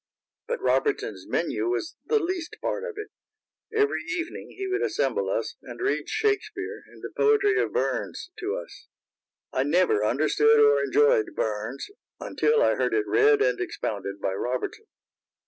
But Robertson's menu was the least part of it. Every evening he would assemble us, and read Shakespeare and the poetry of Burns to us. I never understood or enjoyed Burns until I heard it read and expounded by Robertson.